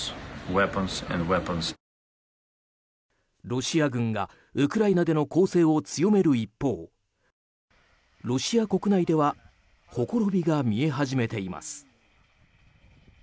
ロシア軍がウクライナでの攻勢を強める一方ロシア国内ではほころびが見え始めています。